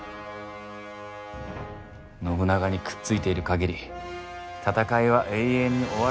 信長にくっついている限り戦いは永遠に終わらん無間地獄じゃ！